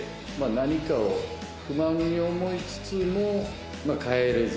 何かを不満に思いつつも変えれずに。